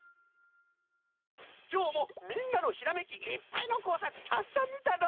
きょうもみんなのひらめきいっぱいのこうさくたくさんみたの！